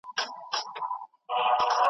چي سړی پر لاپو شاپو وو راغلی .